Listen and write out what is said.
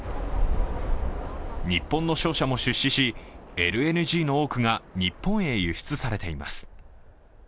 日本の商社も出資し、ＬＮＧの多くが日本へ輸出されています。